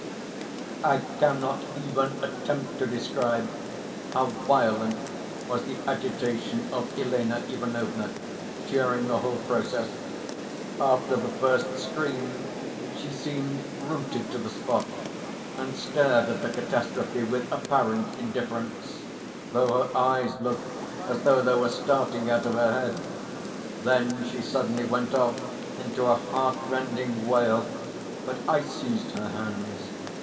I cannot even attempt to describe how violent was the agitation of Elena Ivanovna during the whole process. After the first scream she seemed rooted to the spot, and stared at the catastrophe with apparent indifference, though her eyes looked as though they were starting out of her head; then she suddenly went off into a heart rending wail, but I seized her hands.